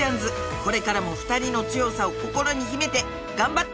これからも２人の強さを心に秘めて頑張って！